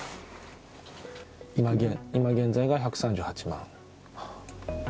今現在が１３８万。